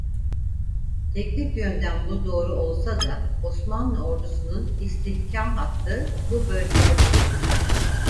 Teknik yönden bu doğru olsa da Osmanlı Ordusunun istihkam hattı bu bölgede kurulmuştu.